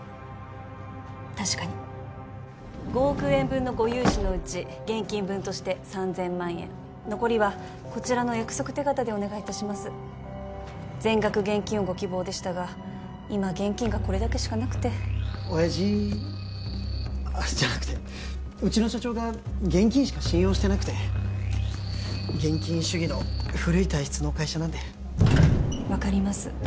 確かに５億円分のご融資のうち現金分として３０００万円残りはこちらの約束手形でお願いいたします全額現金をご希望でしたが今現金がこれだけしかなくて親父あっじゃなくてうちの社長が現金しか信用してなくて現金主義の古い体質の会社なんで分かります